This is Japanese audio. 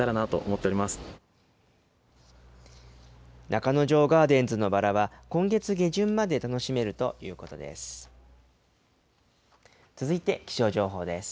中之条ガーデンズのバラは、今月下旬まで楽しめるということです。